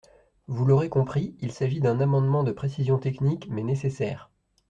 Vous l’aurez compris : il s’agit d’un amendement de précision technique, mais nécessaire.